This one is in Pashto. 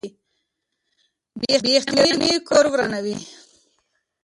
بې احترامي کور ورانوي.